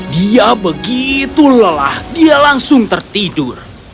dia begitu lelah dia langsung tertidur